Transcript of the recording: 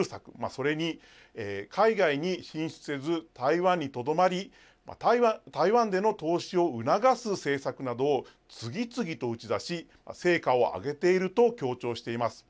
それに海外に進出せず台湾にとどまり台湾での投資を促す政策などを次々と打ち出し成果を上げていると強調しています。